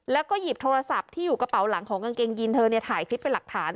แล้วก็หยิบโทรศัพท์ที่อยู่กระเป๋าหลังของกางเกงยินเธอถ่ายคลิปเป็นหลักฐาน